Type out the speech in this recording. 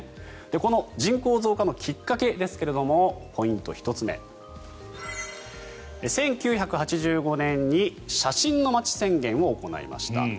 この人口増加のきっかけですがポイント１つ目１９８５年に写真の町宣言を行いました。